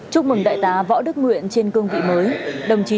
chúc mừng đại tá võ đức nguyện trên cương vị mới